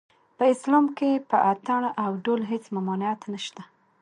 په اسلام کې په اټن او ډول هېڅ ممانعت نشته